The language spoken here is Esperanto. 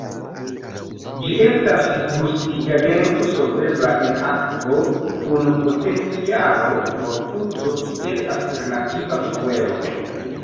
Ĝi estas gustigagento solvebla en akvo kun potencialo por uzo kiel alternativa fuelo.